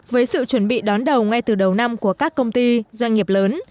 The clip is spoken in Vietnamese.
với sự chuẩn bị đón đầu ngay từ đầu năm của các công ty doanh nghiệp lớn